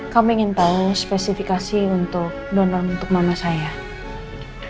kami ingin tahu spesifikasi untuk donor untuk mama saya